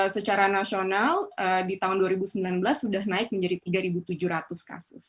secara nasional di tahun dua ribu sembilan belas sudah naik menjadi tiga tujuh ratus kasus